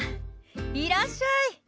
いらっしゃい！